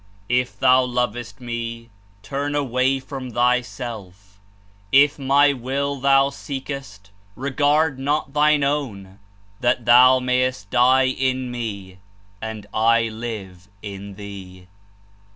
If thou loves t Me, turn away from thyself; if My Will thou seekest, regard not thine own, that thou mayest die in Me, and I live in thee!'